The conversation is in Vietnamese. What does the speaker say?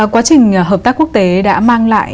quá trình hợp tác quốc tế đã mang lại